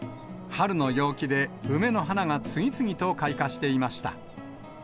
春の陽気で、梅の花が次々と開花していました。